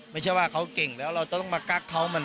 ไม่ใช่ว่าเขาเก่งแล้วเราจะต้องมากักเขา